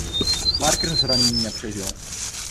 Barker zranění nepřežil.